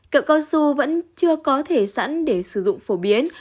cậu cao su vẫn chưa có thể sẵn để sử dụng phổ biến